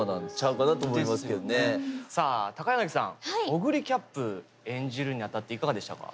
オグリキャップ演じるにあたっていかがでしたか？